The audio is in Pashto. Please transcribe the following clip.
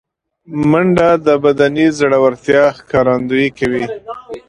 منډه د بدني زړورتیا ښکارندویي کوي